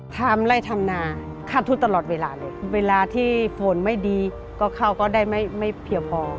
ทำไล่ทำนาคาดทุนตลอดเวลาเลยเวลาที่ฝนไม่ดีก็เข้าก็ได้ไม่เพียงพอ